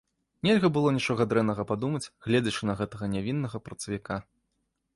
Нельга было нічога дрэннага падумаць, гледзячы на гэтага нявіннага працавіка.